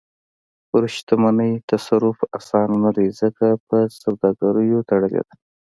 پر شتمنۍ تصرف اسانه نه دی، ځکه په سوداګریو تړلې ده.